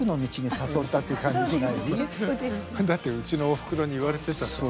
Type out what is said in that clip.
だってうちのおふくろに言われてたじゃん。